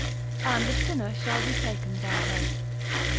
and the sinner shall be taken by her.